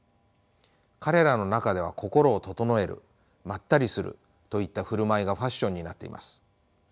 彼らの中では心を整えるまったりするといった振る舞いがファッションになっています。